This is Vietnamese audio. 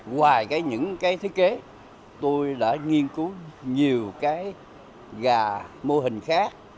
ngoài những cái thiết kế tôi đã nghiên cứu nhiều cái gà mô hình khác